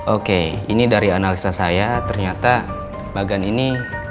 oke ini dari analisa saya ternyata bagan ini